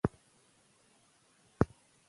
لیکوال د خپلو اتلانو په زړورتیا کې د ملت روح وینه.